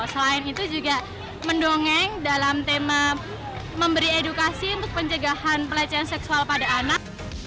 selain itu juga mendongeng dalam tema memberi edukasi untuk pencegahan pelecehan seksual pada anak